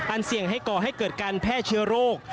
เสี่ยงให้ก่อให้เกิดการแพร่เชื้อโรค